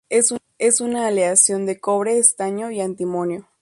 Es una aleación de cobre, estaño y antimonio.